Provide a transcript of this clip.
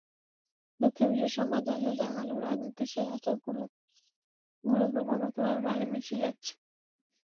দুঃখের বিষয়, সমাজ আশা জাগালেও রাজনীতি সেই আশার গুড়ে ক্রমাগতভাবে বালি মিশিয়েই যাচ্ছে।